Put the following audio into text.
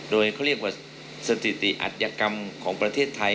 โดยเขาเรียกว่าสถิติอัธยกรรมของประเทศไทย